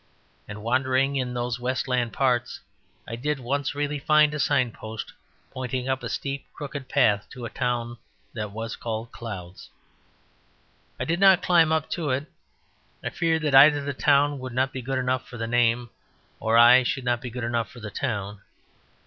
And wandering in those westland parts I did once really find a sign post pointing up a steep crooked path to a town that was called Clouds. I did not climb up to it; I feared that either the town would not be good enough for the name, or I should not be good enough for the town.